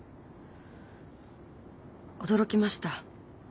驚きました。